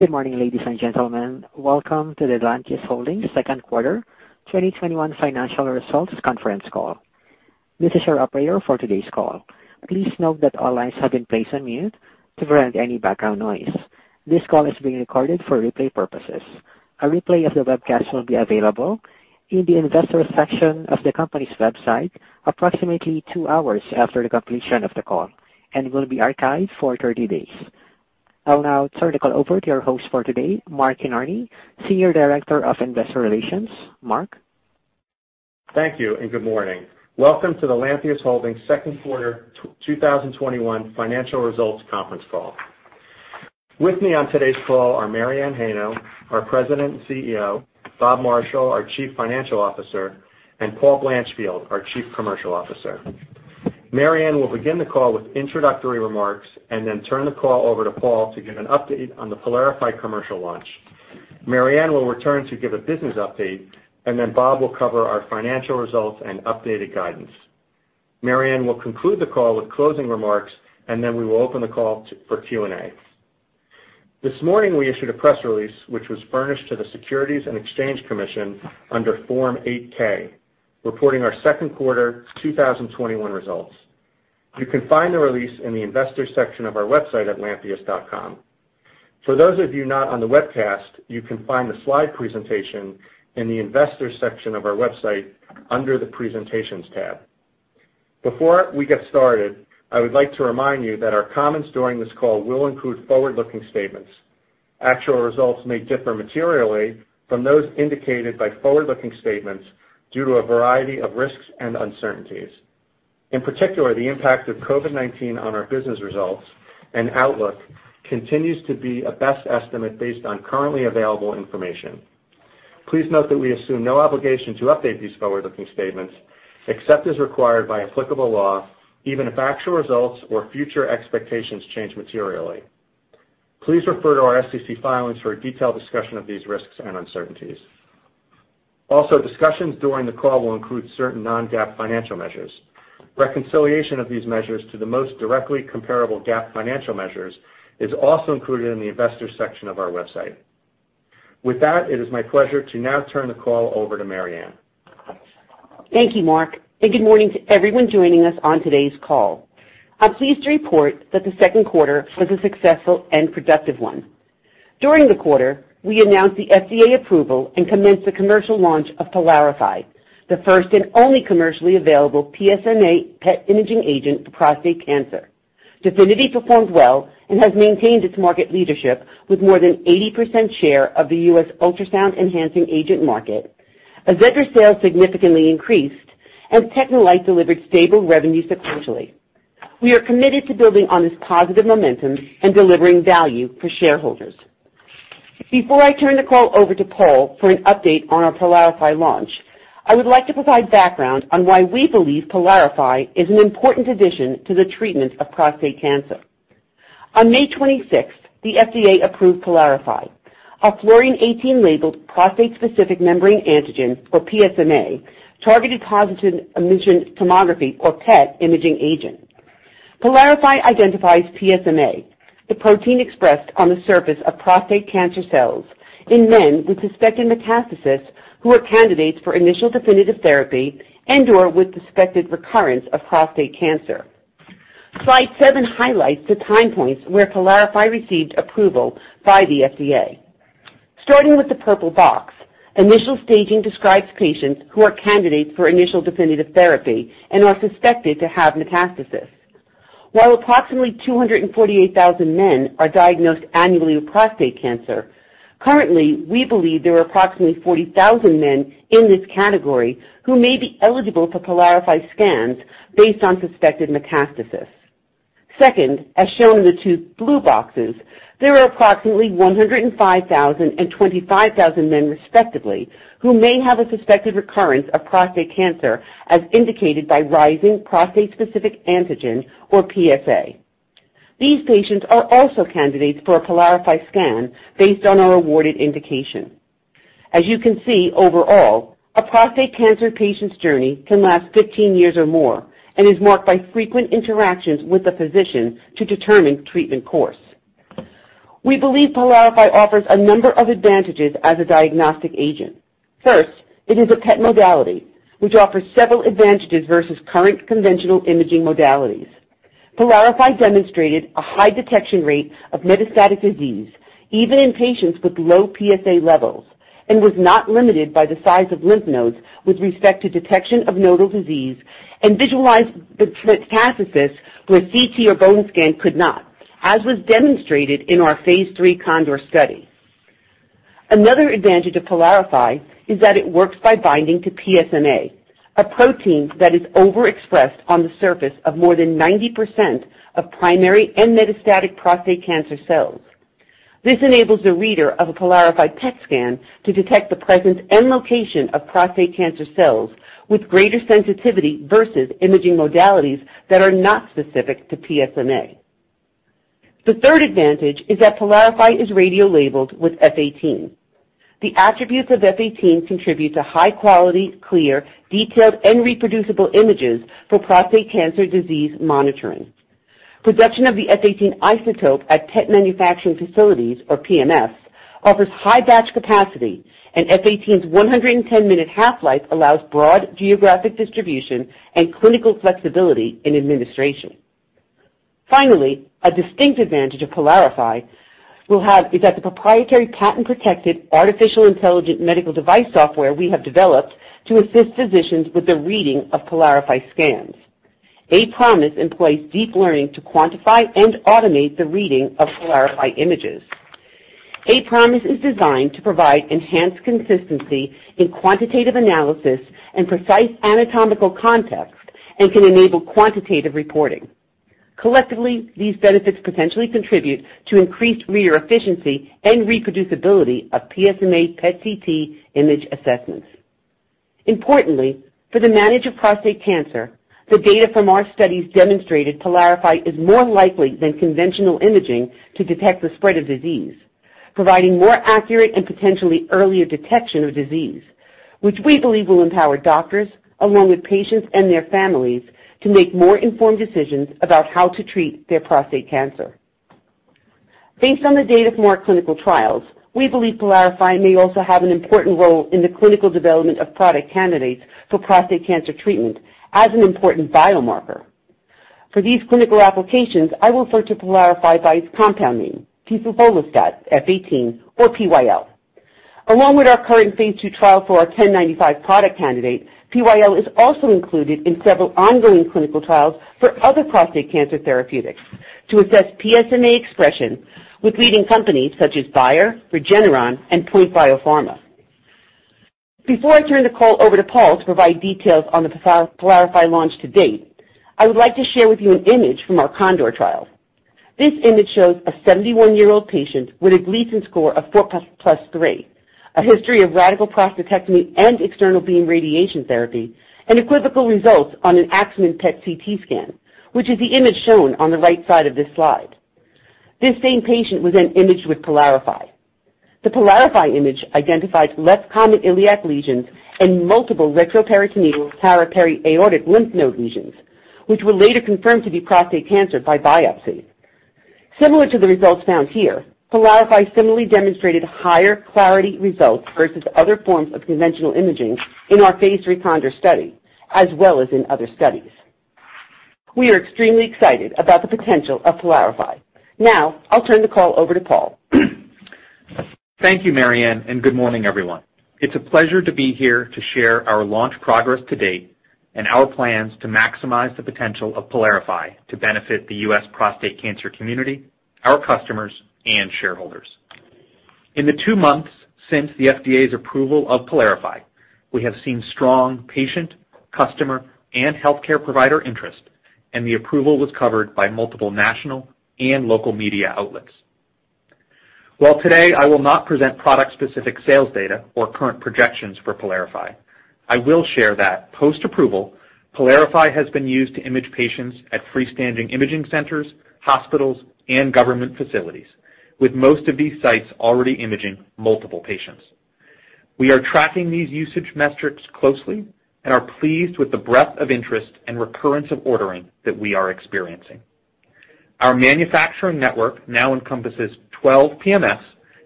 Good morning, ladies and gentlemen. Welcome to the Lantheus Holdings second quarter 2021 financial results conference call. This is your operator for today's call. Please note that all lines have been placed on mute to prevent any background noise. This call is being recorded for replay purposes. A replay of the webcast will be available in the Investors section of the company's website approximately two hours after the completion of the call and will be archived for 30 days. I'll now turn the call over to your host for today, Mark Kinarney, Senior Director of Investor Relations. Mark? Thank you. Good morning. Welcome to the Lantheus Holdings second quarter 2021 financial results conference call. With me on today's call are Mary Anne Heino, our President and Chief Executive Officer, Bob Marshall, our Chief Financial Officer, and Paul Blanchfield, our Chief Commercial Officer. Mary Anne will begin the call with introductory remarks and then turn the call over to Paul to give an update on the PYLARIFY commercial launch. Mary Anne will return to give a business update, and then Bob will cover our financial results and updated guidance. Mary Anne will conclude the call with closing remarks, and then we will open the call for Q&A. This morning, we issued a press release, which was furnished to the Securities and Exchange Commission under Form 8-K, reporting our second quarter 2021 results. You can find the release in the Investors section of our website at lantheus.com. For those of you not on the webcast, you can find the slide presentation in the Investors section of our website under the Presentations tab. Before we get started, I would like to remind you that our comments during this call will include forward-looking statements. Actual results may differ materially from those indicated by forward-looking statements due to a variety of risks and uncertainties. In particular, the impact of COVID-19 on our business results and outlook continues to be a best estimate based on currently available information. Please note that we assume no obligation to update these forward-looking statements except as required by applicable law, even if actual results or future expectations change materially. Please refer to our SEC filings for a detailed discussion of these risks and uncertainties. Also, discussions during the call will include certain non-GAAP financial measures. Reconciliation of these measures to the most directly comparable GAAP financial measures is also included in the Investors section of our website. With that, it is my pleasure to now turn the call over to Mary Anne. Thank you, Mark, and good morning to everyone joining us on today's call. I'm pleased to report that the second quarter was a successful and productive one. During the quarter, we announced the FDA approval and commenced the commercial launch of PYLARIFY, the first and only commercially available PSMA PET imaging agent for prostate cancer. DEFINITY performed well and has maintained its market leadership with more than 80% share of the U.S. ultrasound enhancing agent market. AZEDRA sales significantly increased, and TechneLite delivered stable revenue sequentially. We are committed to building on this positive momentum and delivering value for shareholders. Before I turn the call over to Paul for an update on our PYLARIFY launch, I would like to provide background on why we believe PYLARIFY is an important addition to the treatment of prostate cancer. On May 26th, the FDA approved PYLARIFY, a fluorine-18 labeled prostate-specific membrane antigen, or PSMA, targeted positron emission tomography, or PET imaging agent. PYLARIFY identifies PSMA, the protein expressed on the surface of prostate cancer cells in men with suspected metastasis who are candidates for initial definitive therapy and/or with suspected recurrence of prostate cancer. Slide seven highlights the time points where PYLARIFY received approval by the FDA. Starting with the purple box, initial staging describes patients who are candidates for initial definitive therapy and are suspected to have metastasis. While approximately 248,000 men are diagnosed annually with prostate cancer, currently, we believe there are approximately 40,000 men in this category who may be eligible for PYLARIFY scans based on suspected metastasis. Second, as shown in the two blue boxes, there are approximately 105,000 and 25,000 men respectively who may have a suspected recurrence of prostate cancer as indicated by rising prostate-specific antigen, or PSA. These patients are also candidates for a PYLARIFY scan based on our awarded indication. As you can see overall, a prostate cancer patient's journey can last 15 years or more and is marked by frequent interactions with a physician to determine treatment course. We believe PYLARIFY offers a number of advantages as a diagnostic agent. First, it is a PET modality, which offers several advantages versus current conventional imaging modalities. PYLARIFY demonstrated a high detection rate of metastatic disease, even in patients with low PSA levels, and was not limited by the size of lymph nodes with respect to detection of nodal disease and visualized the metastasis where CT or bone scan could not, as was demonstrated in our phase III CONDOR study. Another advantage of PYLARIFY is that it works by binding to PSMA, a protein that is overexpressed on the surface of more than 90% of primary and metastatic prostate cancer cells. This enables a reader of a PYLARIFY PET scan to detect the presence and location of prostate cancer cells with greater sensitivity versus imaging modalities that are not specific to PSMA. The third advantage is that PYLARIFY is radiolabeled with F-18. The attributes of F-18 contribute to high quality, clear, detailed, and reproducible images for prostate cancer disease monitoring. Production of the F-18 isotope at PET manufacturing facilities, or PMFs, offers high batch capacity, and F-18's 110-minute half-life allows broad geographic distribution and clinical flexibility in administration. A distinct advantage of PYLARIFY is the proprietary, patent-protected artificial intelligence medical device software we have developed to assist physicians with the reading of PYLARIFY scans. aPROMISE employs deep learning to quantify and automate the reading of PYLARIFY images. aPROMISE is designed to provide enhanced consistency in quantitative analysis and precise anatomical context, and can enable quantitative reporting. Collectively, these benefits potentially contribute to increased reader efficiency and reproducibility of PSMA PET-CT image assessments. Importantly, for the management of prostate cancer, the data from our studies demonstrated PYLARIFY is more likely than conventional imaging to detect the spread of disease, providing more accurate and potentially earlier detection of disease, which we believe will empower doctors, along with patients and their families, to make more informed decisions about how to treat their prostate cancer. Based on the data from our clinical trials, we believe PYLARIFY may also have an important role in the clinical development of product candidates for prostate cancer treatment as an important biomarker. For these clinical applications, I refer to PYLARIFY by its compound name, piflufolastat F-18, or PyL. Along with our current phase II trial for our 1095 product candidate, PyL is also included in several ongoing clinical trials for other prostate cancer therapeutics to assess PSMA expression with leading companies such as Bayer, Regeneron, and POINT Biopharma. Before I turn the call over to Paul to provide details on the PYLARIFY launch to date, I would like to share with you an image from our CONDOR trial. This image shows a 71-year-old patient with a Gleason score of 4+3, a history of radical prostatectomy and external beam radiation therapy, and equivocal results on an Axumin PET CT scan, which is the image shown on the right side of this slide. This same patient was then imaged with PYLARIFY. The PYLARIFY image identifies less common iliac lesions and multiple retroperitoneal para-periaortic lymph node lesions, which were later confirmed to be prostate cancer by biopsy. Similar to the results found here, PYLARIFY similarly demonstrated higher clarity results versus other forms of conventional imaging in our phase III CONDOR study, as well as in other studies. We are extremely excited about the potential of PYLARIFY. Now, I'll turn the call over to Paul. Thank you, Mary Anne. Good morning, everyone. It's a pleasure to be here to share our launch progress to date and our plans to maximize the potential of PYLARIFY to benefit the U.S. prostate cancer community, our customers and shareholders. In the two months since the FDA's approval of PYLARIFY, we have seen strong patient, customer, and healthcare provider interest, and the approval was covered by multiple national and local media outlets. While today I will not present product-specific sales data or current projections for PYLARIFY, I will share that post-approval, PYLARIFY has been used to image patients at freestanding imaging centers, hospitals, and government facilities, with most of these sites already imaging multiple patients. We are tracking these usage metrics closely and are pleased with the breadth of interest and recurrence of ordering that we are experiencing. Our manufacturing network now encompasses 12 PMFs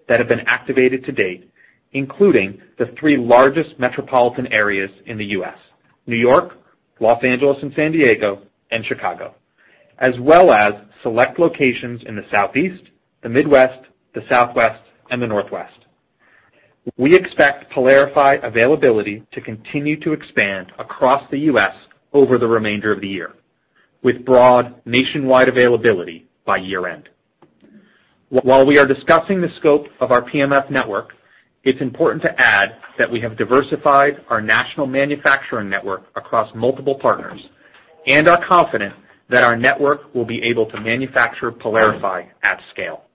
that have been activated to date, including the three largest metropolitan areas in the U.S., New York, Los Angeles and San Diego, and Chicago, as well as select locations in the southeast, the midwest, the southwest, and the northwest. We expect PYLARIFY availability to continue to expand across the U.S. over the remainder of the year, with broad nationwide availability by year-end. While we are discussing the scope of our PMFs network, it's important to add that we have diversified our national manufacturing network across multiple partners and are confident that our network will be able to manufacture PYLARIFY at scale.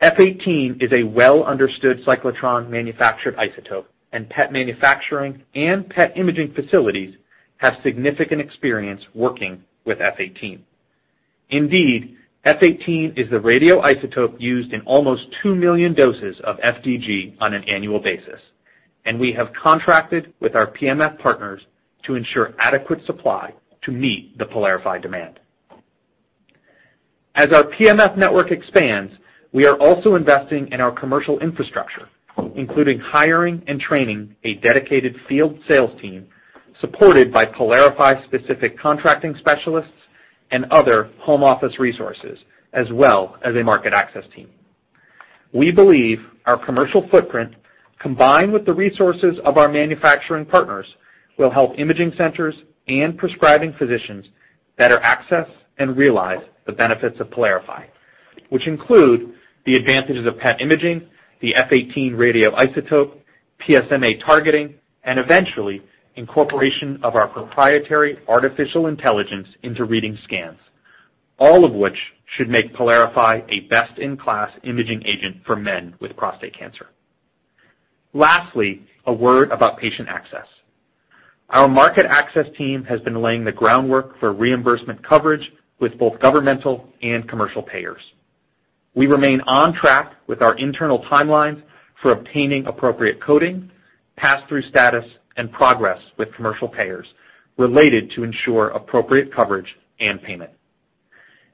F-18 is a well-understood cyclotron-manufactured isotope, and PET manufacturing and PET imaging facilities have significant experience working with F-18. Indeed, F-18 is the radioisotope used in almost 2 million doses of FDG on an annual basis. We have contracted with our PMFs partners to ensure adequate supply to meet the PYLARIFY demand. As our PMFs network expands, we are also investing in our commercial infrastructure, including hiring and training a dedicated field sales team supported by PYLARIFY-specific contracting specialists and other home office resources, as well as a market access team. We believe our commercial footprint, combined with the resources of our manufacturing partners, will help imaging centers and prescribing physicians better access and realize the benefits of PYLARIFY, which include the advantages of PET imaging, the F-18 radioisotope, PSMA targeting, and eventually incorporation of our proprietary artificial intelligence into reading scans. All of which should make PYLARIFY a best-in-class imaging agent for men with prostate cancer. Lastly, a word about patient access. Our market access team has been laying the groundwork for reimbursement coverage with both governmental and commercial payers. We remain on track with our internal timelines for obtaining appropriate coding, passthrough status, and progress with commercial payers to ensure appropriate coverage and payment.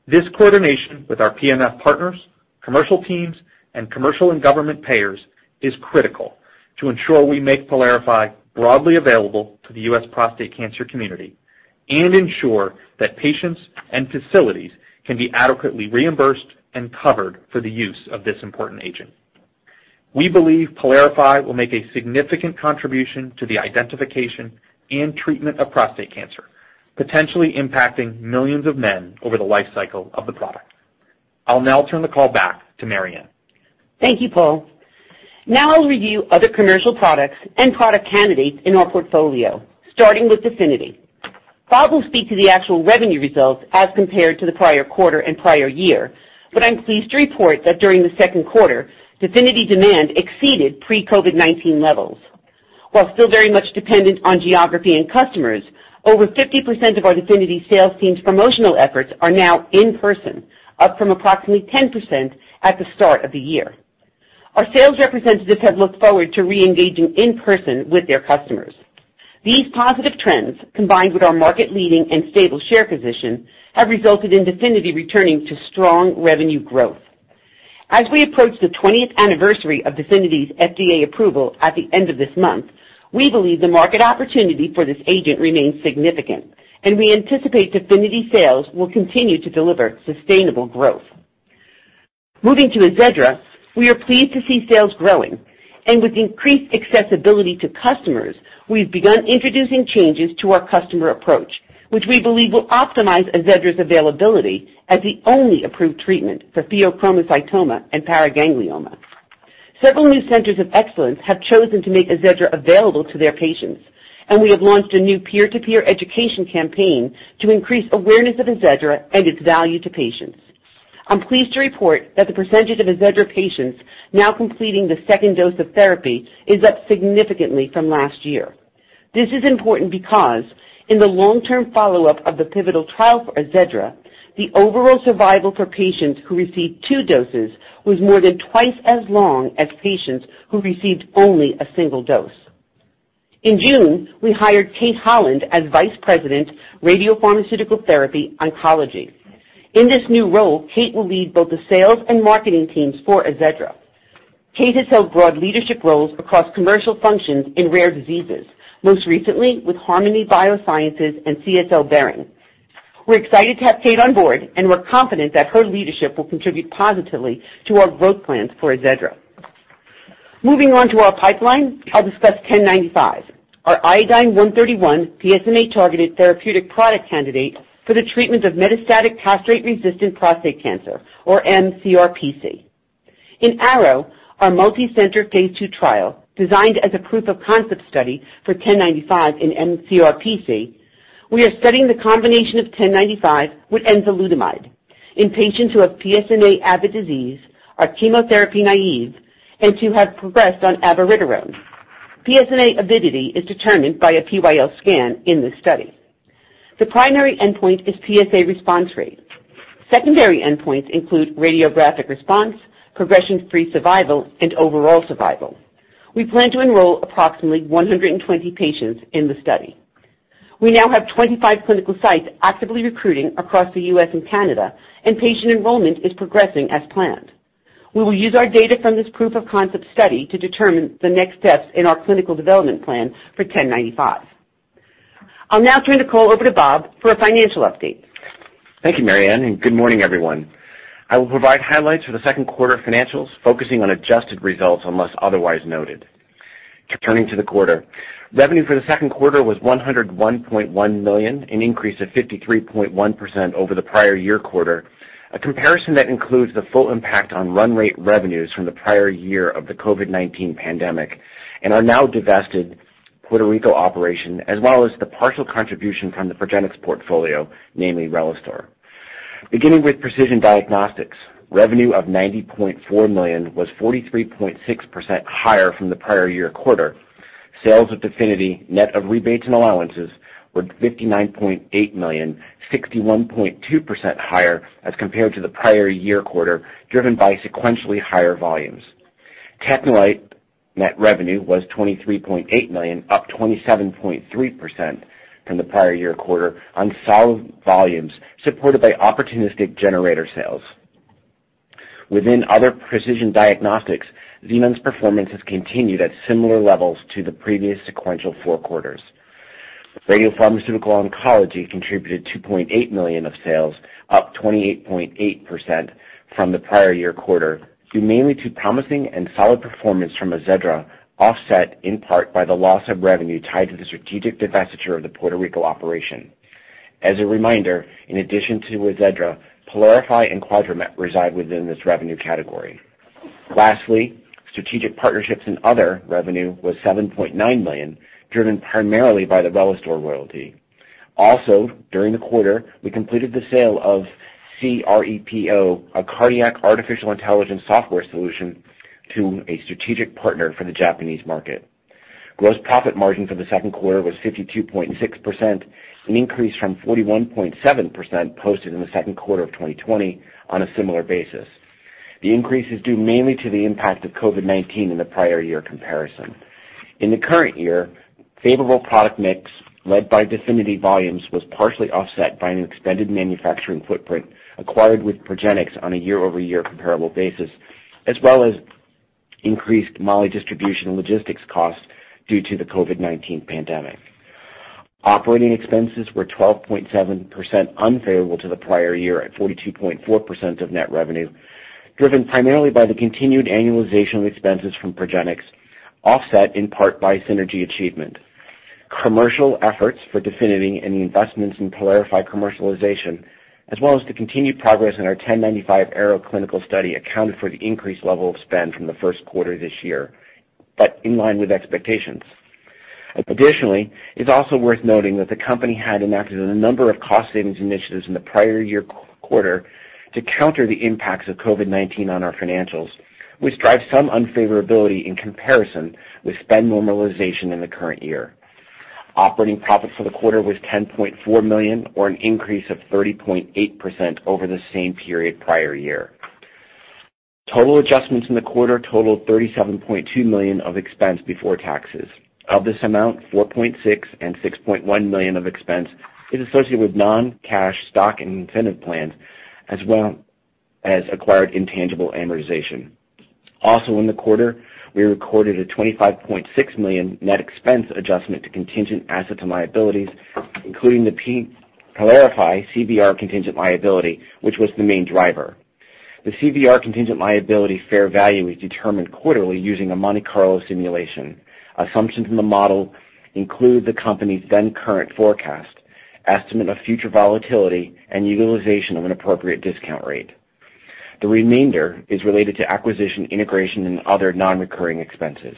This coordination with our PMF partners, commercial teams, and commercial and government payers is critical to ensure we make PYLARIFY broadly available to the U.S. prostate cancer community and ensure that patients and facilities can be adequately reimbursed and covered for the use of this important agent. We believe PYLARIFY will make a significant contribution to the identification and treatment of prostate cancer, potentially impacting millions of men over the life cycle of the product. I'll now turn the call back to Mary Anne. Thank you, Paul. Now I'll review other commercial products and product candidates in our portfolio, starting with DEFINITY. Bob will speak to the actual revenue results as compared to the prior quarter and prior year, but I'm pleased to report that during the second quarter, DEFINITY demand exceeded pre-COVID-19 levels. While still very much dependent on geography and customers, over 50% of our DEFINITY sales team's promotional efforts are now in person, up from approximately 10% at the start of the year. Our sales representatives have looked forward to re-engaging in person with their customers. These positive trends, combined with our market leading and stable share position, have resulted in DEFINITY returning to strong revenue growth. As we approach the 20th anniversary of DEFINITY's FDA approval at the end of this month, we believe the market opportunity for this agent remains significant. We anticipate DEFINITY sales will continue to deliver sustainable growth. Moving to AZEDRA, we are pleased to see sales growing. With increased accessibility to customers, we've begun introducing changes to our customer approach, which we believe will optimize AZEDRA's availability as the only approved treatment for pheochromocytoma and paraganglioma. Several new centers of excellence have chosen to make AZEDRA available to their patients. We have launched a new peer-to-peer education campaign to increase awareness of AZEDRA and its value to patients. I'm pleased to report that the percentage of AZEDRA patients now completing the second dose of therapy is up significantly from last year. This is important because in the long-term follow-up of the pivotal trial for AZEDRA, the overall survival for patients who received two doses was more than twice as long as patients who received only a single dose. In June, we hired Kate Holland as Vice President, Radiopharmaceutical Therapy Oncology. In this new role, Kate will lead both the sales and marketing teams for AZEDRA. Kate has held broad leadership roles across commercial functions in rare diseases, most recently with Harmony Biosciences and CSL Behring. We're excited to have Kate on board, and we're confident that her leadership will contribute positively to our growth plans for AZEDRA. Moving on to our pipeline, I'll discuss 1095, our iodine-131 PSMA-targeted therapeutic product candidate for the treatment of metastatic castration-resistant prostate cancer, or mCRPC. In ARROW, our multi-center phase II trial designed as a proof of concept study for 1095 in mCRPC, we are studying the combination of 1095 with enzalutamide in patients who have PSMA-avid disease, are chemotherapy naive, and who have progressed on abiraterone. PSMA avidity is determined by a PyL scan in this study. The primary endpoint is PSA response rate. Secondary endpoints include radiographic response, progression-free survival, and overall survival. We plan to enroll approximately 120 patients in the study. We now have 25 clinical sites actively recruiting across the U.S. and Canada, and patient enrollment is progressing as planned. We will use our data from this proof of concept study to determine the next steps in our clinical development plan for 1095. I'll now turn the call over to Bob for a financial update. Thank you, Mary Anne. Good morning, everyone. I will provide highlights for the second quarter financials, focusing on adjusted results unless otherwise noted. Turning to the quarter, revenue for the second quarter was $101.1 million, an increase of 53.1% over the prior year quarter, a comparison that includes the full impact on run rate revenues from the prior year of the COVID-19 pandemic and our now divested Puerto Rico operation, as well as the partial contribution from the Progenics portfolio, namely RELISTOR. Beginning with precision diagnostics, revenue of $90.4 million was 43.6% higher from the prior year quarter. Sales of DEFINITY, net of rebates and allowances, were $59.8 million, 61.2% higher as compared to the prior year quarter, driven by sequentially higher volumes. TechneLite net revenue was $23.8 million, up 27.3% from the prior year quarter on solid volumes supported by opportunistic generator sales. Within other precision diagnostics, Xenon's performance has continued at similar levels to the previous sequential four quarters. Radiopharmaceutical oncology contributed $2.8 million of sales, up 28.8% from the prior year quarter, due mainly to promising and solid performance from AZEDRA, offset in part by the loss of revenue tied to the strategic divestiture of the Puerto Rico operation. As a reminder, in addition to AZEDRA, PYLARIFY and QUADRAMET reside within this revenue category. Lastly, strategic partnerships and other revenue was $7.9 million, driven primarily by the RELISTOR royalty. Also, during the quarter, we completed the sale of cREPO, a cardiac artificial intelligence software solution, to a strategic partner for the Japanese market. Gross profit margin for the second quarter was 52.6%, an increase from 41.7% posted in the second quarter of 2020 on a similar basis. The increase is due mainly to the impact of COVID-19 in the prior year comparison. In the current year, favorable product mix, led by DEFINITY volumes, was partially offset by an extended manufacturing footprint acquired with Progenics on a year-over-year comparable basis, as well as increased moly distribution logistics costs due to the COVID-19 pandemic. Operating expenses were 12.7% unfavorable to the prior year at 42.4% of net revenue, driven primarily by the continued annualization of expenses from Progenics, offset in part by synergy achievement. Commercial efforts for DEFINITY and the investments in PYLARIFY commercialization, as well as the continued progress in our 1095 ARROW clinical study accounted for the increased level of spend from the first quarter this year, but in line with expectations. Additionally, it's also worth noting that the company had enacted a number of cost savings initiatives in the prior year quarter to counter the impacts of COVID-19 on our financials, which drive some unfavorability in comparison with spend normalization in the current year. Operating profit for the quarter was $10.4 million, or an increase of 30.8% over the same period prior year. Total adjustments in the quarter totaled $37.2 million of expense before taxes. Of this amount, $4.6 million and $6.1 million of expense is associated with non-cash stock and incentive plans, as well as acquired intangible amortization. Also in the quarter, we recorded a $25.6 million net expense adjustment to contingent asset and liabilities, including the PYLARIFY CVR contingent liability, which was the main driver. The CVR contingent liability fair value is determined quarterly using a Monte Carlo simulation. Assumptions in the model include the company's then current forecast, estimate of future volatility, and utilization of an appropriate discount rate. The remainder is related to acquisition, integration, and other non-recurring expenses.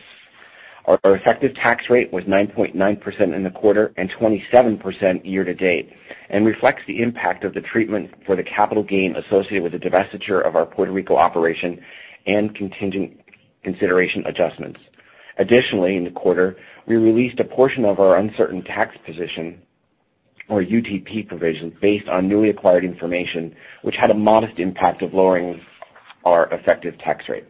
Our effective tax rate was 9.9% in the quarter and 27% year-to-date and reflects the impact of the treatment for the capital gain associated with the divestiture of our Puerto Rico operation and contingent consideration adjustments. Additionally, in the quarter, we released a portion of our uncertain tax position or UTP provision based on newly acquired information, which had a modest impact of lowering our effective tax rate.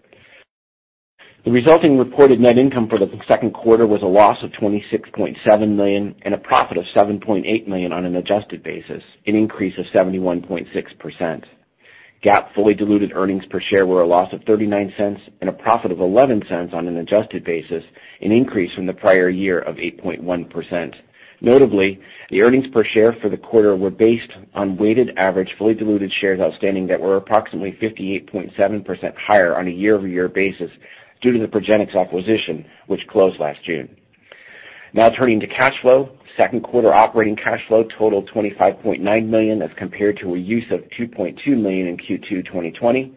The resulting reported net income for the second quarter was a loss of $26.7 million and a profit of $7.8 million on an adjusted basis, an increase of 71.6%. GAAP fully diluted earnings per share were a loss of $0.39 and a profit of $0.11 on an adjusted basis, an increase from the prior year of 8.1%. Notably, the earnings per share for the quarter were based on weighted average fully diluted shares outstanding that were approximately 58.7% higher on a year-over-year basis due to the Progenics acquisition, which closed last June. Turning to cash flow. Second quarter operating cash flow totaled $25.9 million as compared to a use of $2.2 million in Q2 2020.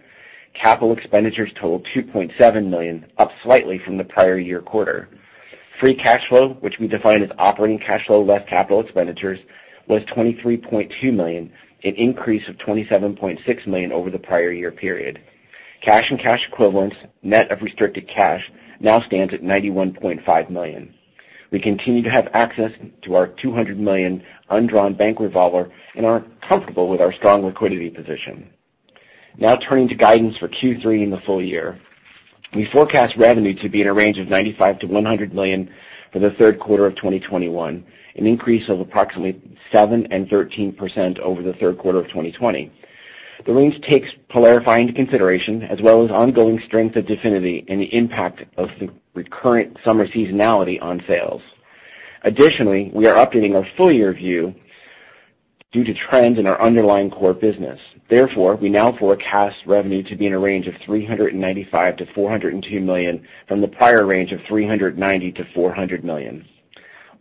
Capital expenditures totaled $2.7 million, up slightly from the prior year quarter. Free cash flow, which we define as operating cash flow less capital expenditures, was $23.2 million, an increase of $27.6 million over the prior year period. Cash and cash equivalents, net of restricted cash, now stands at $91.5 million. We continue to have access to our $200 million undrawn bank revolver and are comfortable with our strong liquidity position. Now turning to guidance for Q3 and the full year. We forecast revenue to be in a range of $95 million-$100 million for the third quarter of 2021, an increase of approximately 7%-13% over the third quarter of 2020. The range takes PYLARIFY into consideration, as well as ongoing strength of DEFINITY and the impact of the recurrent summer seasonality on sales. Additionally, we are updating our full year view due to trends in our underlying core business. Therefore, we now forecast revenue to be in a range of $395 million-$402 million from the prior range of $390 million-$400 million.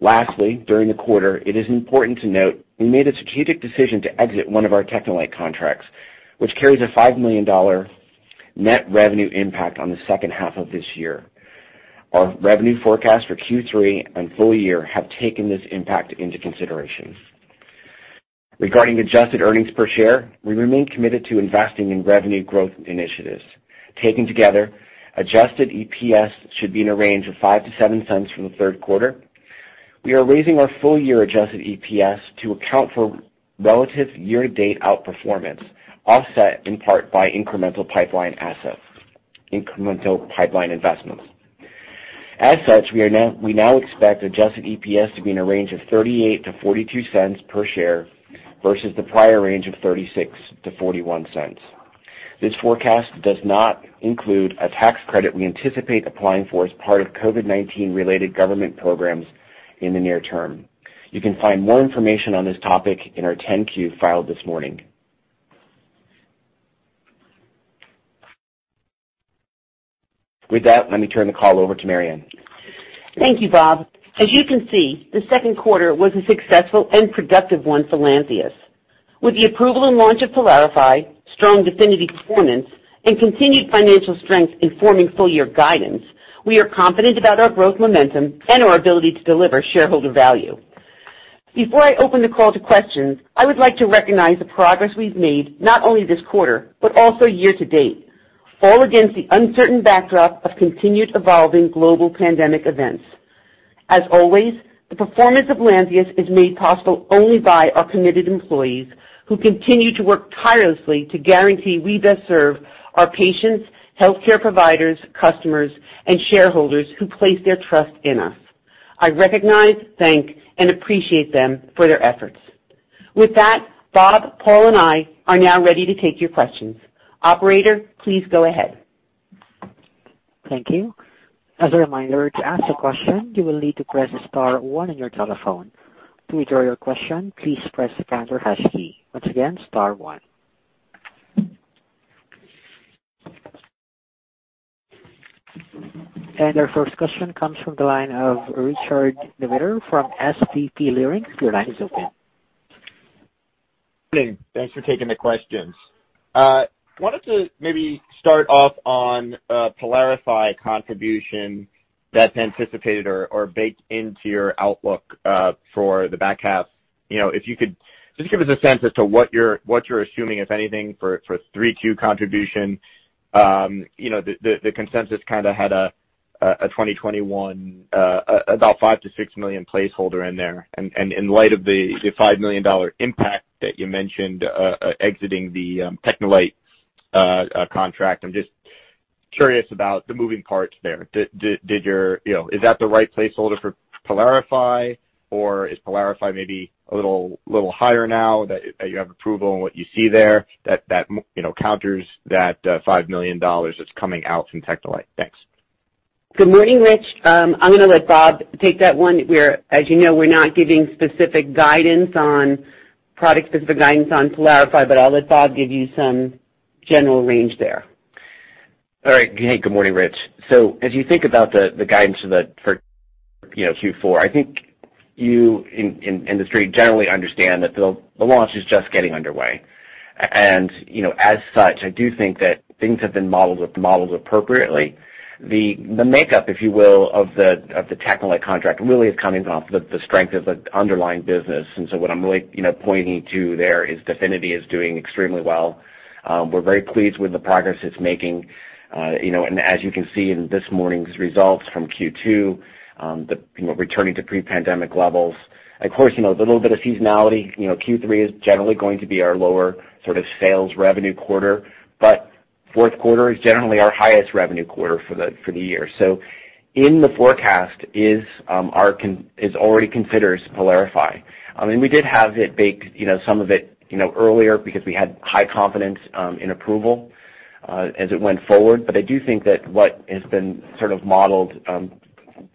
Lastly, during the quarter, it is important to note we made a strategic decision to exit one of our TechneLite contracts, which carries a $5 million net revenue impact on the second half of this year. Our revenue forecast for Q3 and full year have taken this impact into consideration. Regarding adjusted earnings per share, we remain committed to investing in revenue growth initiatives. Taken together, adjusted EPS should be in a range of $0.05-$0.07 for the third quarter. We are raising our full year adjusted EPS to account for relative year-to-date outperformance, offset in part by incremental pipeline assets, incremental pipeline investments. We now expect adjusted EPS to be in a range of $0.38-$0.42 per share versus the prior range of $0.36-$0.41. This forecast does not include a tax credit we anticipate applying for as part of COVID-19 related government programs in the near term. You can find more information on this topic in our 10-Q filed this morning. With that, let me turn the call over to Mary Anne. Thank you, Bob. As you can see, the second quarter was a successful and productive one for Lantheus. With the approval and launch of PYLARIFY, strong DEFINITY performance, and continued financial strength informing full-year guidance, we are confident about our growth momentum and our ability to deliver shareholder value. Before I open the call to questions, I would like to recognize the progress we've made, not only this quarter, but also year-to-date, all against the uncertain backdrop of continued evolving global pandemic events. As always, the performance of Lantheus is made possible only by our committed employees, who continue to work tirelessly to guarantee we best serve our patients, healthcare providers, customers, and shareholders who place their trust in us. I recognize, thank, and appreciate them for their efforts. With that, Bob, Paul, and I are now ready to take your questions. Operator, please go ahead. Thank you. As a reminder, to ask a question, you will need to press star one on your telephone. To withdraw your question, please press the pound or hash key. Once again, star one. Our first question comes from the line of Richard Newitter from SVB Leerink. Your line is open. Good morning. Thanks for taking the questions. I wanted to maybe start off on PYLARIFY contribution that's anticipated or baked into your outlook for the back half. If you could just give us a sense as to what you're assuming, if anything, for 3Q contribution. The consensus kind of had a 2021, about $5 million-$6 million placeholder in there. In light of the $5 million impact that you mentioned exiting the TechneLite contract, I'm just curious about the moving parts there. Is that the right placeholder for PYLARIFY, or is PYLARIFY maybe a little higher now that you have approval on what you see there, that counters that $5 million that's coming out from TechneLite? Thanks. Good morning, Rich. I'm gonna let Bob take that one. As you know, we're not giving specific guidance on product-specific guidance on PYLARIFY, but I'll let Bob give you some general range there. All right. Hey, good morning, Rich. As you think about the guidance for Q4, I think you and the street generally understand that the launch is just getting underway. As such, I do think that things have been modeled appropriately. The makeup, if you will, of the TechneLite contract really is coming off the strength of the underlying business. What I'm really pointing to there is DEFINITY is doing extremely well. We're very pleased with the progress it's making. As you can see in this morning's results from Q2, returning to pre-pandemic levels. Of course, the little bit of seasonality, Q3 is generally going to be our lower sort of sales revenue quarter, fourth quarter is generally our highest revenue quarter for the year. In the forecast already considers PYLARIFY. We did have it baked, some of it, earlier because we had high confidence in approval as it went forward. I do think that what has been sort of modeled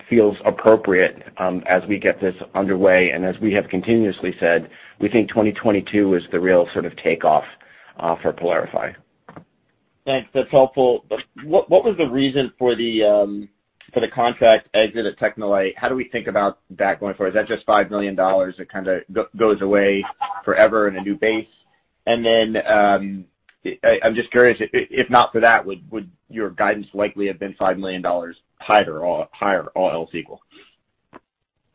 feels appropriate as we get this underway. As we have continuously said, we think 2022 is the real sort of takeoff for PYLARIFY. Thanks. That's helpful. What was the reason for the contract exit at TechneLite? How do we think about that going forward? Is that just $5 million that kind of goes away forever in a new base? I'm just curious, if not for that, would your guidance likely have been $5 million higher, all else equal?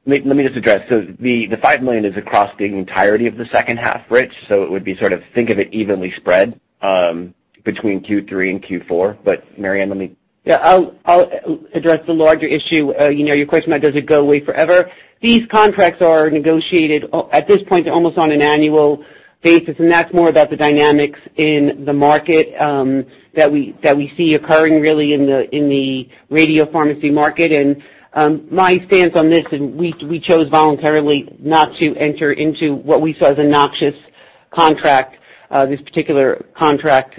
Let me just address. The $5 million is across the entirety of the second half, Rich, so it would be sort of think of it evenly spread between Q3 and Q4. Mary Anne. Yeah, I'll address the larger issue. Your question about does it go away forever? These contracts are negotiated at this point, they're almost on an annual basis, that's more about the dynamics in the market that we see occurring really in the radiopharmacy market. My stance on this, we chose voluntarily not to enter into what we saw as a noxious contract, this particular contract.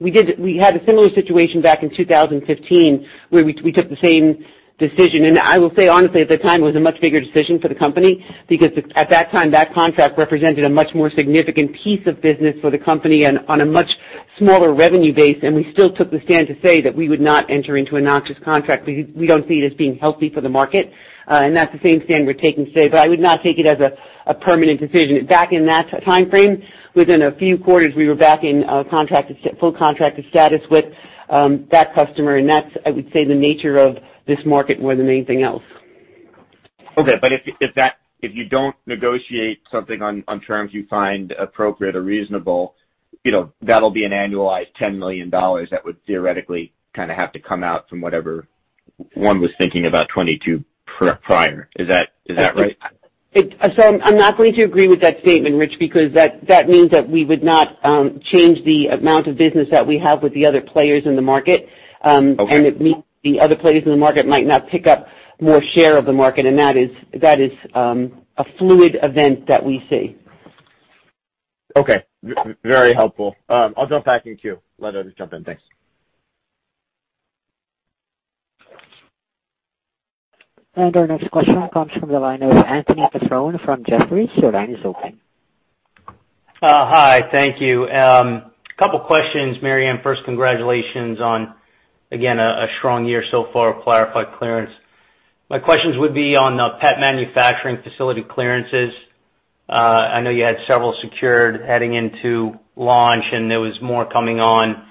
We had a similar situation back in 2015 where we took the same decision. I will say, honestly, at the time, it was a much bigger decision for the company because at that time, that contract represented a much more significant piece of business for the company on a much smaller revenue base, we still took the stand to say that we would not enter into a noxious contract. We don't see it as being healthy for the market. That's the same stand we're taking today. I would not take it as a permanent decision. Back in that timeframe, within a few quarters, we were back in full contracted status with that customer, and that's, I would say, the nature of this market more than anything else. Okay. If you don't negotiate something on terms you find appropriate or reasonable, that'll be an annualized $10 million that would theoretically kind of have to come out from whatever one was thinking about 2022 prior. Is that right? I'm not going to agree with that statement, Rich, because that means that we would not change the amount of business that we have with the other players in the market. Okay. It means the other players in the market might not pick up more share of the market, and that is a fluid event that we see. Okay. Very helpful. I'll jump back in queue. Let others jump in. Thanks. Our next question comes from the line of Anthony Petrone from Jefferies. Your line is open. Hi. Thank you. Couple questions, Mary Anne. First, congratulations on, again, a strong year so far of PYLARIFY clearance. My questions would be on PET manufacturing facility clearances. I know you had several secured heading into launch, and there was more coming on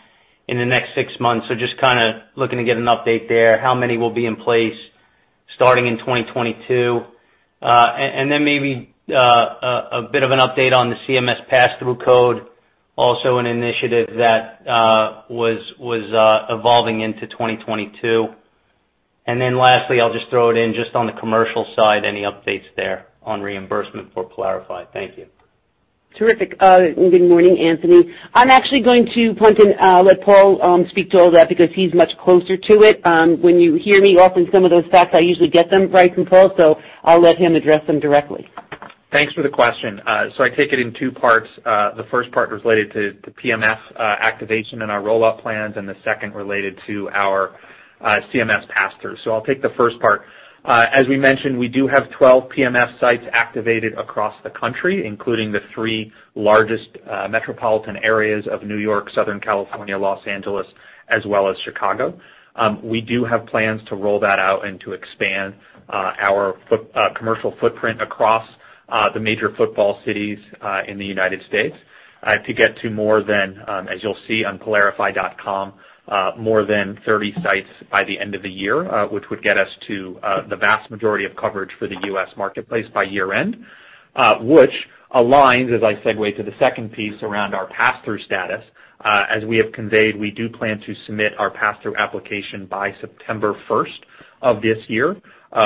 in the next six months. Just kind of looking to get an update there. How many will be in place starting in 2022? Maybe a bit of an update on the CMS pass-through code, also an initiative that was evolving into 2022. Lastly, I'll just throw it in just on the commercial side, any updates there on reimbursement for PYLARIFY. Thank you. Terrific. Good morning, Anthony. I'm actually going to point and let Paul speak to all that because he's much closer to it. When you hear me, often some of those facts, I usually get them right from Paul, so I'll let him address them directly. Thanks for the question. I take it in two parts. The first part related to the PMF activation and our rollout plans, and the second related to our CMS pass-through. I'll take the first part. As we mentioned, we do have 12 PMF sites activated across the country, including the three largest metropolitan areas of New York, Southern California, Los Angeles, as well as Chicago. We do have plans to roll that out and to expand our commercial footprint across the major football cities in the United States to get to more than, as you'll see on pylarify.com, more than 30 sites by the end of the year, which would get us to the vast majority of coverage for the U.S. marketplace by year-end, which aligns, as I segue to the second piece around our pass-through status. As we have conveyed, we do plan to submit our pass-through application by September 1st of this year,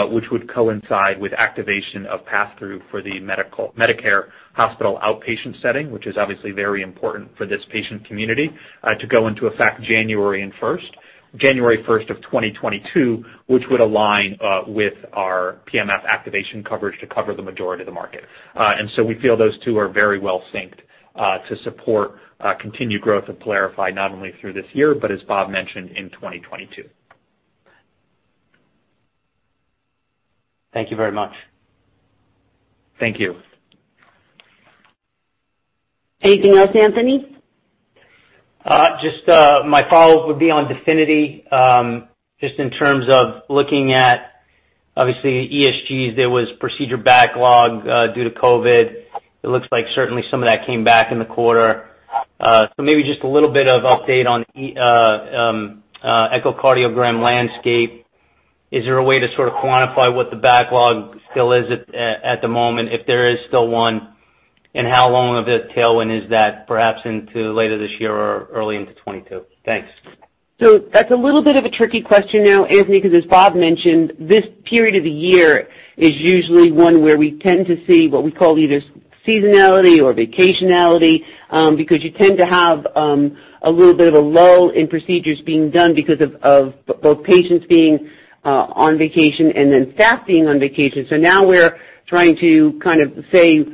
which would coincide with activation of pass-through for the Medicare hospital outpatient setting, which is obviously very important for this patient community, to go into effect January 1st of 2022, which would align with our PMF activation coverage to cover the majority of the market. We feel those two are very well synced, to support continued growth of PYLARIFY, not only through this year, but as Bob mentioned, in 2022. Thank you very much. Thank you. Anything else, Anthony? Just my follow-up would be on DEFINITY. Just in terms of looking at, obviously, echos, there was procedure backlog due to COVID. It looks like certainly some of that came back in the quarter. Maybe just a little bit of update on echocardiogram landscape. Is there a way to sort of quantify what the backlog still is at the moment, if there is still one, and how long of a tailwind is that perhaps into later this year or early into 2022? Thanks. That's a little bit of a tricky question now, Anthony, because as Bob mentioned, this period of the year is usually one where we tend to see what we call either seasonality or vacationality, because you tend to have a little bit of a lull in procedures being done because of both patients being on vacation and then staff being on vacation. Now we're trying to kind of say,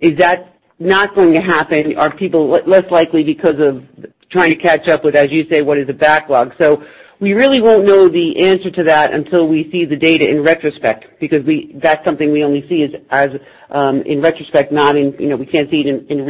is that not going to happen? Are people less likely because of trying to catch up with, as you say, what is a backlog? We really won't know the answer to that until we see the data in retrospect, because that's something we only see in retrospect, we can't see it in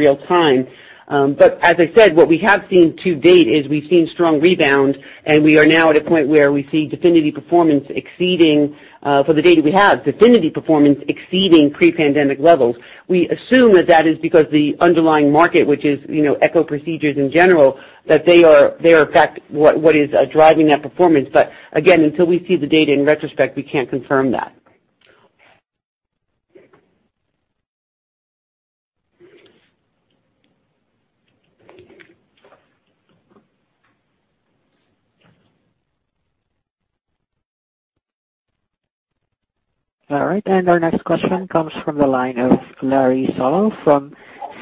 real-time. As I said, what we have seen to date is we've seen strong rebound, and we are now at a point where we see DEFINITY performance exceeding, for the data we have, DEFINITY performance exceeding pre-pandemic levels. We assume that that is because the underlying market, which is echo procedures in general, that they are in fact what is driving that performance. Again, until we see the data in retrospect, we can't confirm that. All right, our next question comes from the line of Larry Solow from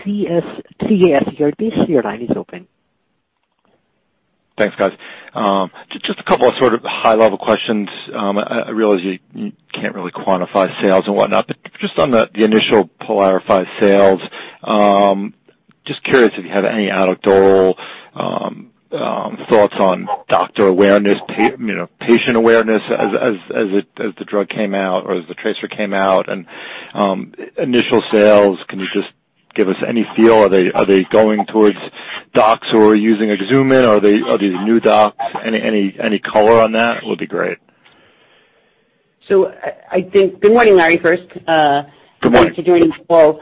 CJS Securities. Sir, your line is open. Thanks, guys. Just a couple of high-level questions. I realize you can't really quantify sales and whatnot, but just on the initial PYLARIFY sales, just curious if you have any anecdotal thoughts on doctor awareness, patient awareness as the drug came out, or as the tracer came out, and initial sales. Can you just give us any feel? Are they going towards docs who are using a Axumin? Are these new docs? Any color on that would be great. I think, good morning, Larry, first. Good morning. Thanks for joining, Paul.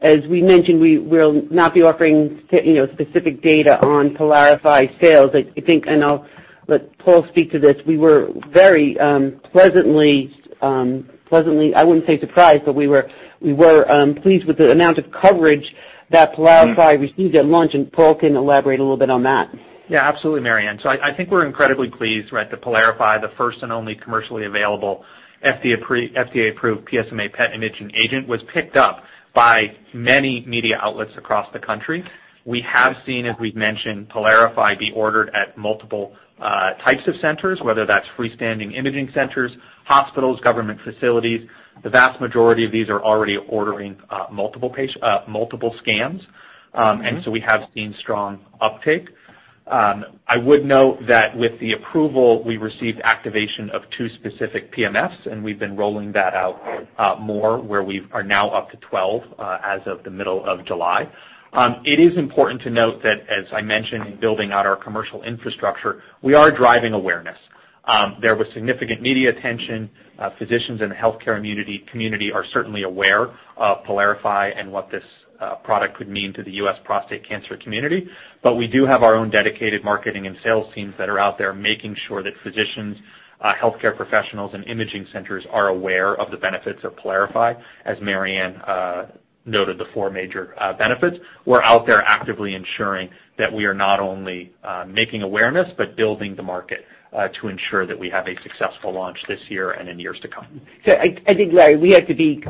As we mentioned, we'll not be offering specific data on PYLARIFY sales. I think, and I'll let Paul speak to this, we were very pleasantly, I wouldn't say surprised, but we were pleased with the amount of coverage that PYLARIFY received at launch, Paul can elaborate a little bit on that. Yeah, absolutely, Mary. I think we're incredibly pleased, right? That PYLARIFY, the first and only commercially available FDA-approved PSMA PET imaging agent, was picked up by many media outlets across the country. We have seen, as we've mentioned, PYLARIFY be ordered at multiple types of centers, whether that's freestanding imaging centers, hospitals, government facilities. The vast majority of these are already ordering multiple scans. We have seen strong uptake. I would note that with the approval, we received activation of two specific PMFs, and we've been rolling that out more, where we are now up to 12 as of the middle of July. It is important to note that, as I mentioned in building out our commercial infrastructure, we are driving awareness. There was significant media attention. Physicians in the healthcare community are certainly aware of PYLARIFY and what this product could mean to the U.S. prostate cancer community. We do have our own dedicated marketing and sales teams that are out there making sure that physicians, healthcare professionals, and imaging centers are aware of the benefits of PYLARIFY, as Mary Anne noted the four major benefits. We're out there actively ensuring that we are not only making awareness but building the market to ensure that we have a successful launch this year and in years to come. I think, Larry, we have to be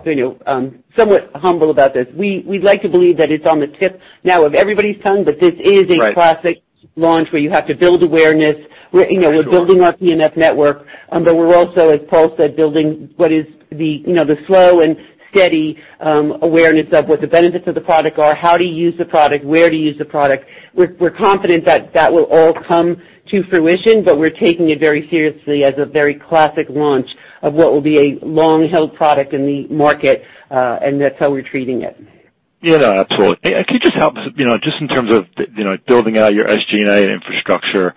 somewhat humble about this. We'd like to believe that it's on the tip now of everybody's tongue, but this is. Right classic launch where you have to build awareness. Sure. We're building our PMF network, but we're also, as Paul said, building what is the slow and steady awareness of what the benefits of the product are, how to use the product, where to use the product. We're confident that that will all come to fruition, but we're taking it very seriously as a very classic launch of what will be a long-held product in the market, and that's how we're treating it. Yeah, no, absolutely. Can you just help us, just in terms of building out your SG&A infrastructure,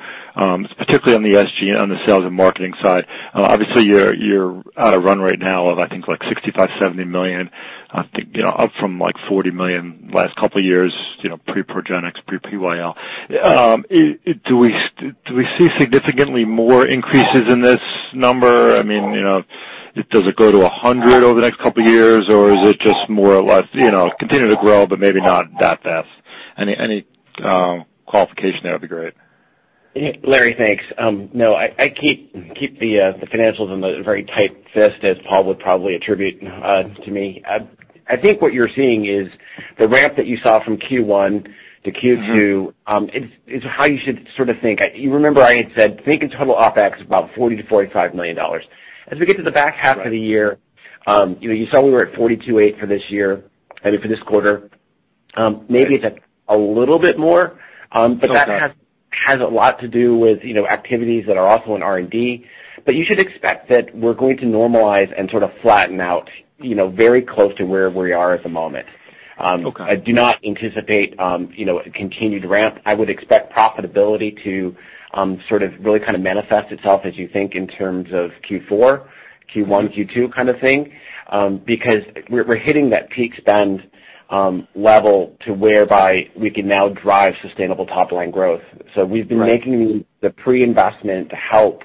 particularly on the sales and marketing side? You're at a run rate now of, I think, $65 million, $70 million, I think up from $40 million last couple of years, pre-Progenics, pre-PYL. Do we see significantly more increases in this number? Does it go to $100 million over the next couple of years, or is it just more or less continue to grow, but maybe not that fast? Any qualification there would be great. Larry, thanks. No, I keep the financials in a very tight fist as Paul would probably attribute to me. I think what you're seeing is the ramp that you saw from Q1 to Q2. It's how you should sort of think. You remember I had said, think of total OpEx about $40 million-$45 million. As we get to the back half of the year. Right you saw we were at $42.8 million for this year, I mean for this quarter. Okay That has a lot to do with activities that are also in R&D. You should expect that we're going to normalize and sort of flatten out very close to where we are at the moment. Okay. I do not anticipate a continued ramp. I would expect profitability to sort of really manifest itself as you think in terms of Q4, Q1, Q2 kind of thing, because we're hitting that peak spend level to whereby we can now drive sustainable top-line growth. Right So we've been making the pre-investment to help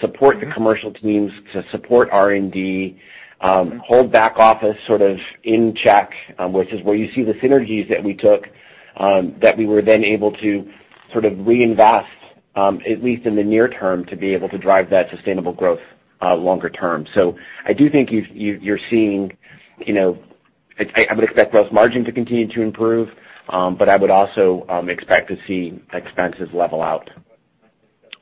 support the commercial teams, to support R&D, hold back office sort of in check, which is where you see the synergies that we took, that we were then able to sort of reinvest, at least in the near term, to be able to drive that sustainable growth longer term. I do think you're seeing I would expect gross margin to continue to improve, but I would also expect to see expenses level out.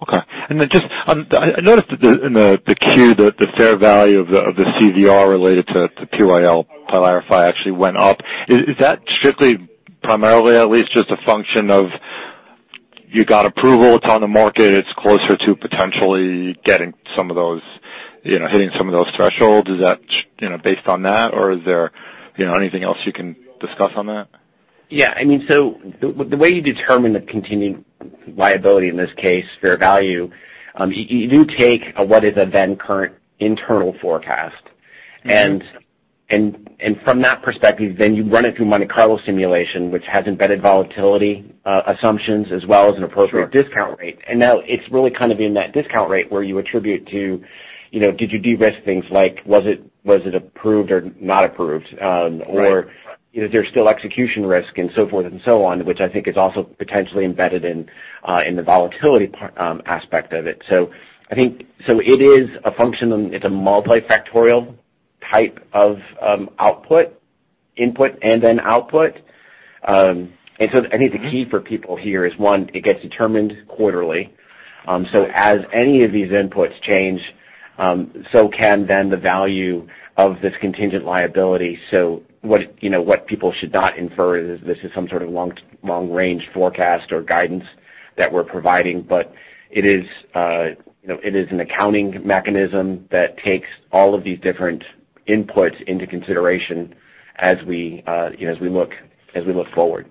Okay. Then just, I noticed that in the Q, the fair value of the CVR related to the PyL, PYLARIFY, actually went up. Is that strictly, primarily, at least, just a function of you got approval, it's on the market, it's closer to potentially hitting some of those thresholds? Is that based on that, or is there anything else you can discuss on that? Yeah. The way you determine the continuing liability, in this case, fair value, you do take a what is a then current internal forecast. From that perspective, then you run it through Monte Carlo simulation, which has embedded volatility assumptions as well as an appropriate- Sure discount rate. Now it's really kind of in that discount rate where you attribute to, did you de-risk things, like was it approved or not approved? Right. Is there still execution risk and so forth and so on, which I think is also potentially embedded in the volatility aspect of it. It's a multifactorial type of output, input and then output. I think the key for people here is, one, it gets determined quarterly. As any of these inputs change, so can then the value of this contingent liability. What people should not infer is this is some sort of long range forecast or guidance that we're providing, but it is an accounting mechanism that takes all of these different inputs into consideration as we look forward.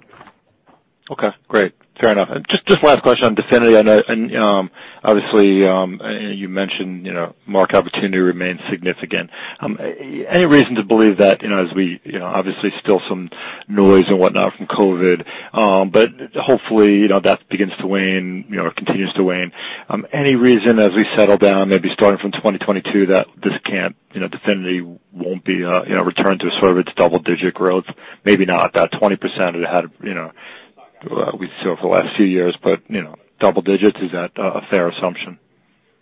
Okay, great. Fair enough. Just last question on DEFINITY. I know, obviously, you mentioned market opportunity remains significant. Any reason to believe that as we Obviously, still some noise and whatnot from COVID, hopefully, that begins to wane or continues to wane. Any reason as we settle down, maybe starting from 2022, that DEFINITY won't return to sort of its double-digit growth? Maybe not that 20% it had we saw for the last few years, double digits, is that a fair assumption?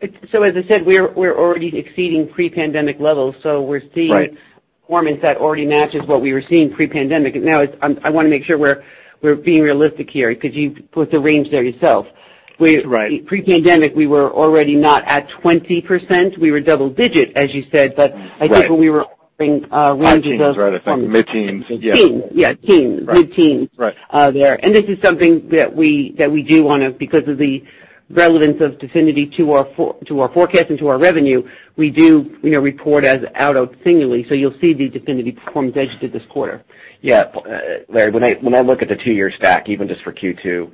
As I said, we're already exceeding pre-pandemic levels. Right We're seeing performance that already matches what we were seeing pre-pandemic. I want to make sure we're being realistic here, because you put the range there yourself. That's right. Pre-pandemic, we were already not at 20%. We were double digit, as you said. Right I think when we were offering ranges. High teens, right. I think mid-teens. Yeah. Teens. Yeah, teens. Right. Mid-teens- Right there. This is something that we do want to, because of the relevance of DEFINITY to our forecast and to our revenue, we do report as out singularly. You'll see the DEFINITY performance as you did this quarter. Larry, when I look at the two-year stack, even just for Q2.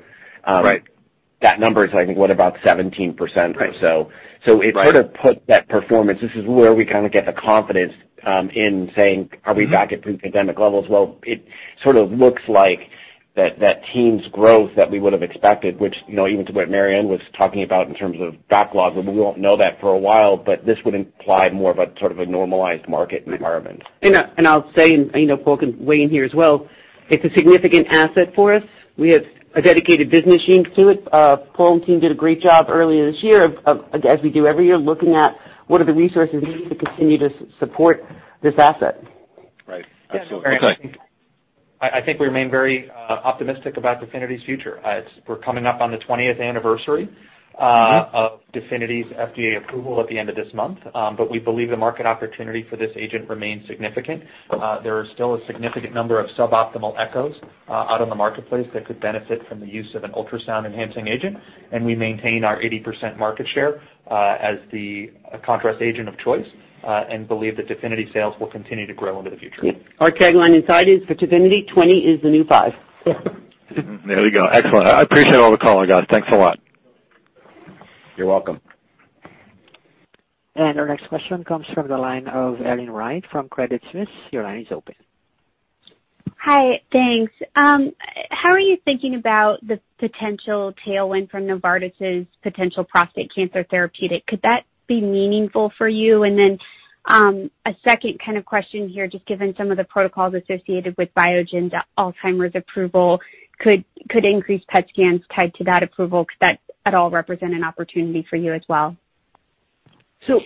Right That number is, I think, what? About 17% or so. Right. It sort of puts that performance. This is where we kind of get the confidence in saying, "Are we back at pre-pandemic levels?" It sort of looks like that team's growth that we would've expected, which even to what Mary Anne was talking about in terms of backlog, we won't know that for a while, but this would imply more of a sort of normalized market environment. I'll say, and Paul can weigh in here as well, it's a significant asset for us. We have a dedicated business unit to it. Paul and team did a great job earlier this year of, as we do every year, looking at what are the resources we need to continue to support this asset. Right. Absolutely. Yeah. Go ahead. I think we remain very optimistic about DEFINITY's future. We're coming up on the 20th anniversary of DEFINITY's FDA approval at the end of this month. We believe the market opportunity for this agent remains significant. There are still a significant number of suboptimal echos out in the marketplace that could benefit from the use of an ultrasound enhancing agent, and we maintain our 80% market share, as the contrast agent of choice, and believe that DEFINITY sales will continue to grow into the future. Our tagline inside is, "For DEFINITY, 20 is the new 5. There we go. Excellent. I appreciate all the color, guys. Thanks a lot. You're welcome. Our next question comes from the line of Erin Wright from Credit Suisse. Your line is open. Hi. Thanks. How are you thinking about the potential tailwind from Novartis' potential prostate cancer therapeutic? Could that be meaningful for you? A second kind of question here, just given some of the protocols associated with Biogen, the Alzheimer's approval could increase PET scans tied to that approval. Could that at all represent an opportunity for you as well?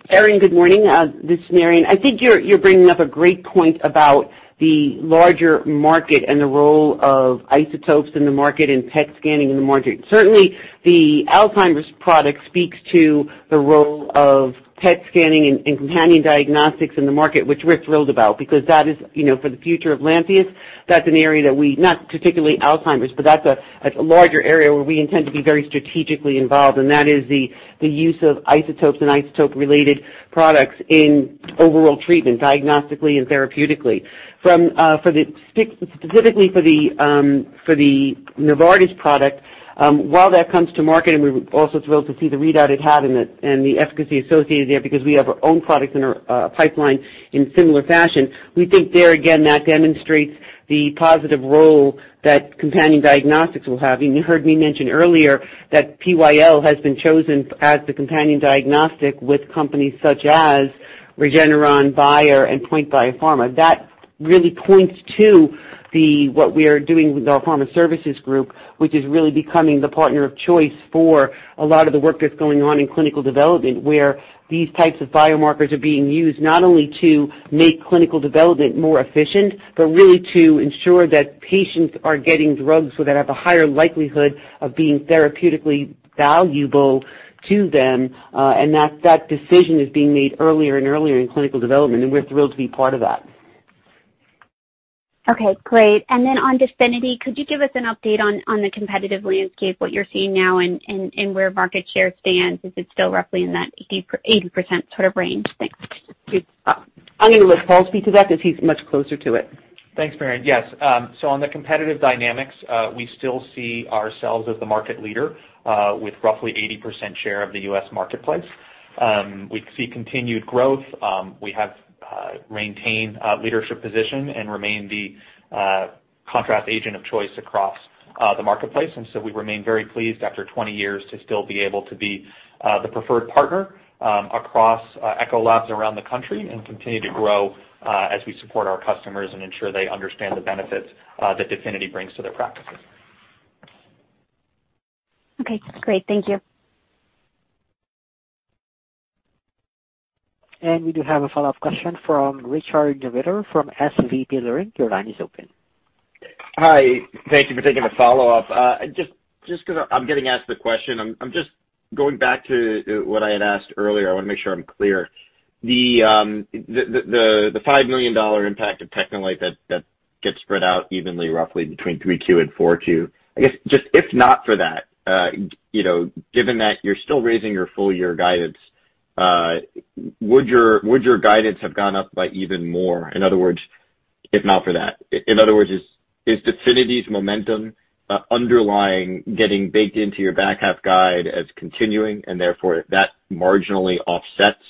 Erin, good morning. This is Mary Anne. I think you're bringing up a great point about the larger market and the role of isotopes in the market and PET scanning in the market. Certainly, the Alzheimer's product speaks to the role of PET scanning and companion diagnostics in the market, which we're thrilled about because that is for the future of Lantheus. That's an area that we, not particularly Alzheimer's, but that's a larger area where we intend to be very strategically involved, and that is the use of isotopes and isotope-related products in overall treatment, diagnostically and therapeutically. Specifically for the Novartis product, while that comes to market, and we're also thrilled to see the readout it had, and the efficacy associated there because we have our own product in our pipeline in similar fashion. We think there again, that demonstrates the positive role that companion diagnostics will have. You heard me mention earlier that PyL has been chosen as the companion diagnostic with companies such as Regeneron, Bayer, and POINT Biopharma. That really points to what we are doing with our pharma services group, which is really becoming the partner of choice for a lot of the work that's going on in clinical development, where these types of biomarkers are being used, not only to make clinical development more efficient, but really to ensure that patients are getting drugs that have a higher likelihood of being therapeutically valuable to them. That decision is being made earlier and earlier in clinical development, and we're thrilled to be part of that. Okay, great. On DEFINITY, could you give us an update on the competitive landscape, what you're seeing now and where market share stands? Is it still roughly in that 80% sort of range? Thanks. I'm going to let Paul speak to that because he's much closer to it. Thanks, Mary Anne. Yes. On the competitive dynamics, we still see ourselves as the market leader, with roughly 80% share of the U.S. marketplace. We see continued growth. We have maintained a leadership position and remain the contrast agent of choice across the marketplace. We remain very pleased after 20 years to still be able to be the preferred partner across echo labs around the country and continue to grow, as we support our customers and ensure they understand the benefits that DEFINITY brings to their practices. Okay, great. Thank you. We do have a follow-up question from Richard Newitter from SVB Leerink. Your line is open. Hi. Thank you for taking the follow-up. Just because I'm getting asked the question, I'm just going back to what I had asked earlier. I want to make sure I'm clear. The $5 million impact of TechneLite that gets spread out evenly, roughly between 3Q and 4Q. I guess just if not for that, given that you're still raising your full year guidance, would your guidance have gone up by even more? In other words, if not for that. In other words, is DEFINITY's momentum underlying getting baked into your back half guide as continuing, and therefore that marginally offsets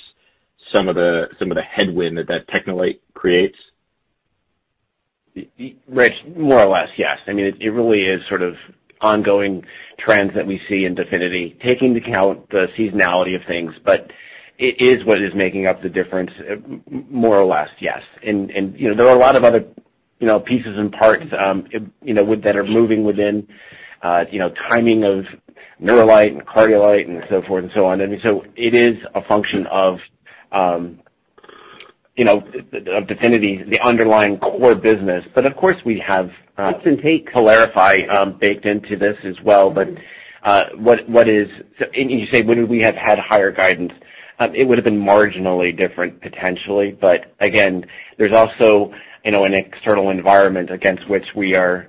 some of the headwind that TechneLite creates? Rich, more or less, yes. It really is sort of ongoing trends that we see in DEFINITY, taking into account the seasonality of things, but it is what is making up the difference, more or less, yes. There are a lot of other pieces and parts that are moving within timing of Neurolite and Cardiolite and so forth and so on. It is a function of DEFINITY, the underlying core business. Of course, we have- It's intake. PYLARIFY baked into this as well. You say, would we have had higher guidance? It would've been marginally different potentially, but again, there's also an external environment against which we are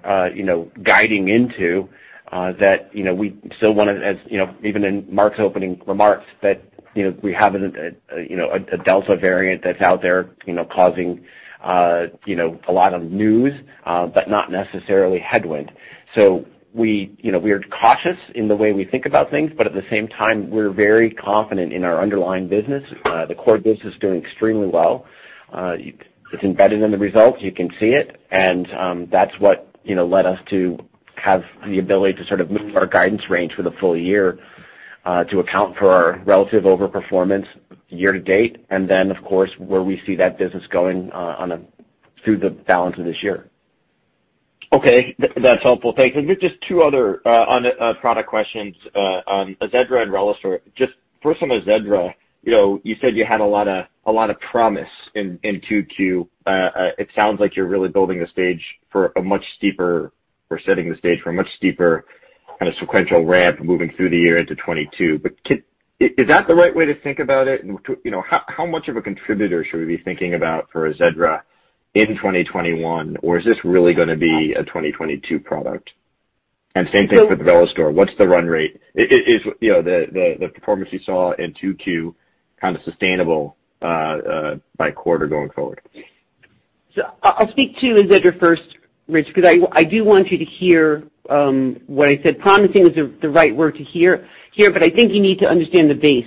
guiding into That we still want to, even in Mark's opening remarks, that we have a Delta variant that's out there causing a lot of news, but not necessarily headwind. We are cautious in the way we think about things, but at the same time, we're very confident in our underlying business. The core business is doing extremely well. It's embedded in the results. You can see it, and that's what led us to have the ability to sort of move our guidance range for the full year to account for our relative over-performance year to date. Of course, where we see that business going through the balance of this year. Okay. That's helpful. Thanks. Just two other on product questions on AZEDRA and RELISTOR. Just first on AZEDRA, you said you had a lot of promise in 2Q. It sounds like you're really building the stage for a much steeper, or setting the stage for a much steeper kind of sequential ramp moving through the year into 2022. Is that the right way to think about it? How much of a contributor should we be thinking about for AZEDRA in 2021? Is this really going to be a 2022 product? Same thing for the RELISTOR. What's the run rate? Is the performance you saw in 2Q sustainable by quarter going forward? I'll speak to AZEDRA first, Rich, because I do want you to hear what I said. Promising is the right word to hear, but I think you need to understand the base.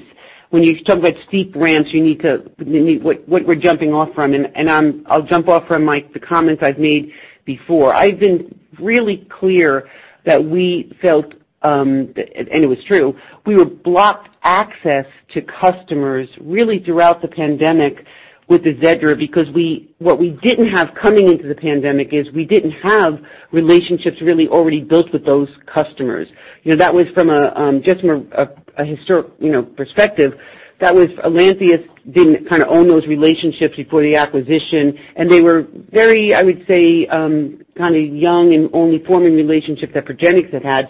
When you talk about steep ramps, what we're jumping off from, and I'll jump off from the comments I've made before. I've been really clear that we felt, and it was true, we were blocked access to customers really throughout the pandemic with AZEDRA because what we didn't have coming into the pandemic is we didn't have relationships really already built with those customers. That was from just a historic perspective. That was Lantheus didn't own those relationships before the acquisition, and they were very, I would say, young and only forming relationships that Progenics had had.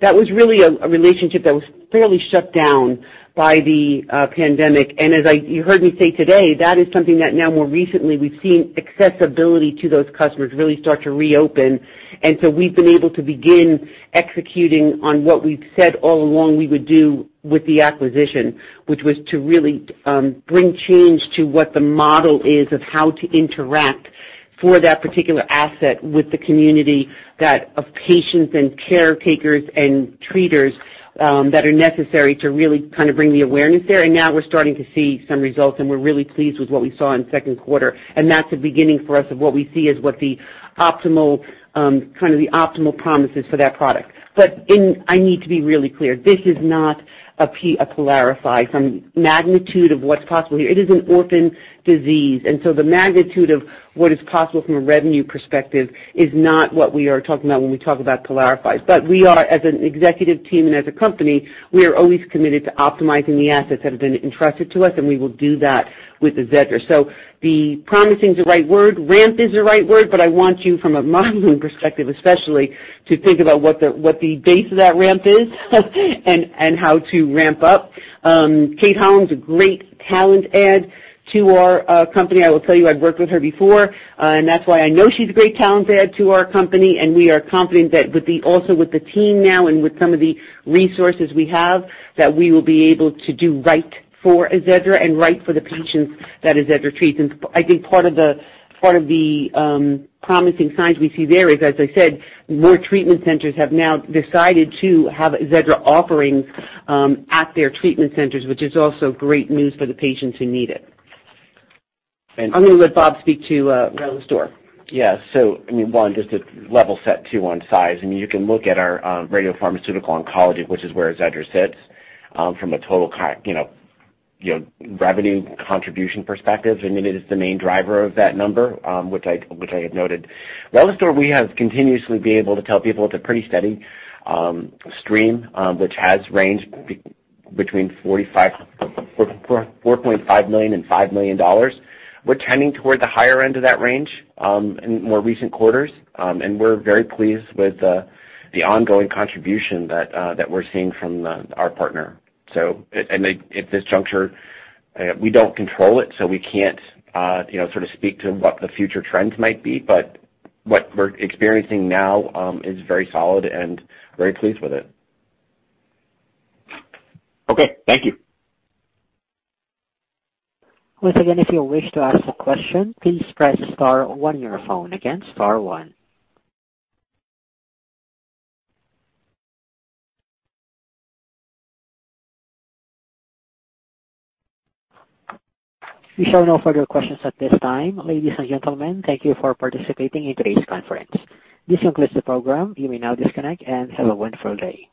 That was really a relationship that was fairly shut down by the pandemic. As you heard me say today, that is something that now more recently, we've seen accessibility to those customers really start to reopen. We've been able to begin executing on what we've said all along we would do with the acquisition, which was to really bring change to what the model is of how to interact for that particular asset with the community of patients and caretakers and treaters that are necessary to really bring the awareness there. Now we're starting to see some results, and we're really pleased with what we saw in the second quarter. That's a beginning for us of what we see as what the optimal promise is for that product. I need to be really clear, this is not a PYLARIFY from magnitude of what's possible here. It is an orphan disease, the magnitude of what is possible from a revenue perspective is not what we are talking about when we talk about PYLARIFY. We are as an executive team and as a company, we are always committed to optimizing the assets that have been entrusted to us, and we will do that with AZEDRA. Promising is the right word, ramp is the right word, but I want you from a modeling perspective, especially to think about what the base of that ramp is and how to ramp up. Kate Holland's a great talent add to our company. I will tell you, I've worked with her before, and that's why I know she's a great talent add to our company, and we are confident that also with the team now and with some of the resources we have, that we will be able to do right for AZEDRA and right for the patients that AZEDRA treats. I think part of the promising signs we see there is, as I said, more treatment centers have now decided to have AZEDRA offerings at their treatment centers, which is also great news for the patients who need it. I'm going to let Bob speak to RELISTOR. Yeah. One, just to level set too on size, you can look at our radiopharmaceutical oncology, which is where AZEDRA sits from a total revenue contribution perspective. It is the main driver of that number, which I had noted. RELISTOR, we have continuously been able to tell people it's a pretty steady stream, which has ranged between $4.5 million-$5 million. We're tending toward the higher end of that range in more recent quarters, we're very pleased with the ongoing contribution that we're seeing from our partner. At this juncture, we don't control it, we can't speak to what the future trends might be. What we're experiencing now is very solid and very pleased with it. Okay. Thank you. Once again, if you wish to ask a question, please press star one on your phone. Again, star one. We show no further questions at this time. Ladies and gentlemen, thank you for participating in today's conference. This concludes the program. You may now disconnect and have a wonderful day.